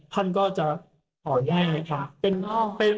ท่านก็จะขอแย่ไงครับ